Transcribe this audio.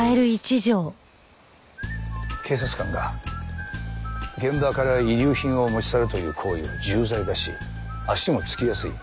警察官が現場から遺留品を持ち去るという行為は重罪だし足もつきやすい。